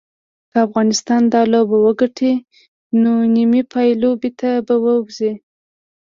که افغانستان دا لوبه وګټي نو نیمې پایلوبې ته به ووځي